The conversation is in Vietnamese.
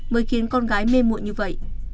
mới khiến con gái mê muộn như vậy